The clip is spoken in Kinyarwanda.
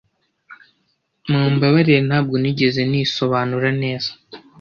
Mumbabarire ntabwo nigeze nisobanura neza.